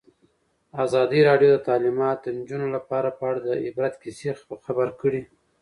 ازادي راډیو د تعلیمات د نجونو لپاره په اړه د عبرت کیسې خبر کړي.